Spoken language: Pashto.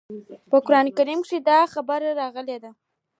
په قران کښې دا خبره راغلې ده.